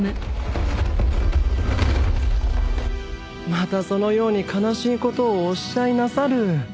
またそのように悲しいことをおっしゃいなさる。